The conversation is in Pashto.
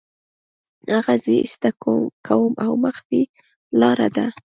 هغه زه ایسته کوم او مخفي لاره ده